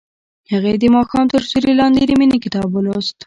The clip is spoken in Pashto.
هغې د ماښام تر سیوري لاندې د مینې کتاب ولوست.